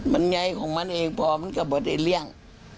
มันใยของมันเองพอมันก็บดได้เลี่ยง